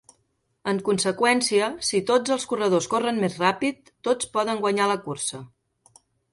En conseqüència, si tots els corredors corren més ràpid, tots poden guanyar la cursa.